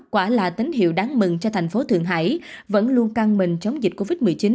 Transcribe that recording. quả là tín hiệu đáng mừng cho thành phố thượng hải vẫn luôn căng mình chống dịch covid một mươi chín